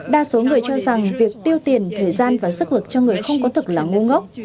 đa số người cho rằng việc tiêu tiền thời gian và sức lực cho người không có thực là ngô gốc